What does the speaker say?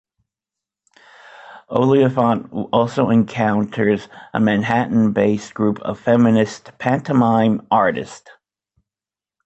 Oliphant also encounters a Manhattan-based group of feminist pantomime artists.